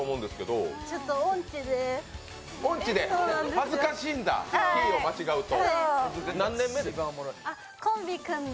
恥ずかしいんだ、キーを間違うと。